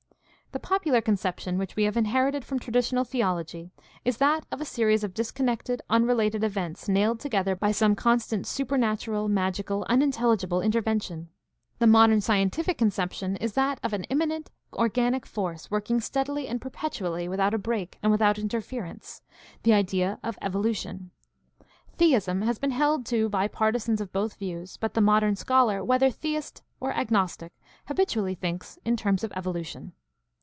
— The popular conception which we have inherited from traditional theology is that of a series of disconnected, unrelated events nailed together by some constant supernatural, magical, unintelli gible intervention. The modern scientific conception is that of an immanent organic force working steadily and perpetu ally without a break and without interference — the idea of 690 GUIDE TO STUDY OF CHRISTIAN RELIGION evolution. Theism has been held to by partisans of both views, but the modern scholar, whether theist or agnostic, habitually thinks in terms of evolution.